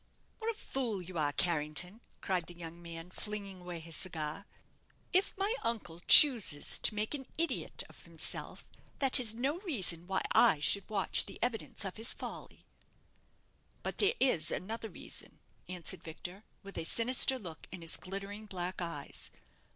"What a fool you are, Carrington!" cried the young man, flinging away his cigar. "If my uncle chooses to make an idiot of himself, that is no reason why I should watch the evidence of his folly!" "But there is another reason," answered Victor, with a sinister look in his glittering black eyes.